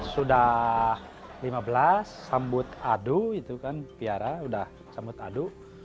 sudah lima belas sambut adu itu kan piara sudah sambut adu